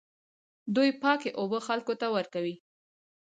دوی پاکې اوبه خلکو ته ورکوي.